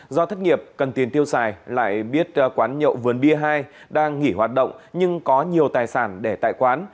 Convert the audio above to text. do thất nghiệp cần tiền tiêu xài lại biết quán nhậu vườn bia hai đang nghỉ hoạt động nhưng có nhiều tài sản để tại quán